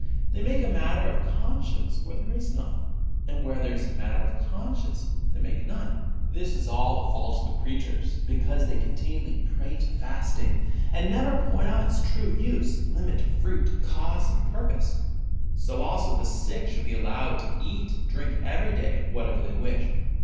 They make a matter of conscience where there is none, and where there is matter of conscience they make none. This is all the fault of the preachers, because they continually prate of fasting, and never point out its true use, limit, fruit, cause and purpose. So also the sick should be allowed to eat and to drink every day whatever they wish.